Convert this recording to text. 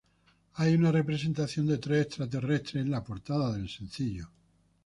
Hay una representación de tres extraterrestres en la portada del sencillo.